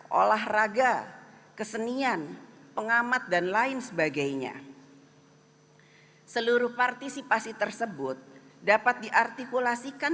hai pahraga kesenian pengamat dan lain sebagainya seluruh partisipasi tersebut dapat diartikulasikan